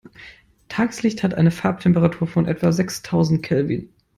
Tageslicht hat eine Farbtemperatur von etwa sechstausend Kelvin.